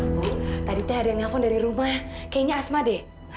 bu tadi teh ada yang nge phone dari rumah kayaknya asma deh